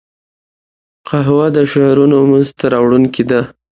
قهوه د شعرونو منځ ته راوړونکې ده